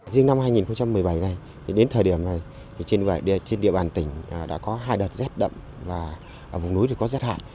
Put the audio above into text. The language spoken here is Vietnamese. riêng năm hai nghìn một mươi bảy này đến thời điểm này trên địa bàn tỉnh đã có hai đợt rét đậm và vùng núi có rét hại